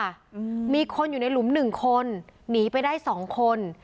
อืมมีคนอยู่ในหลุมหนึ่งคนหนีไปได้สองคน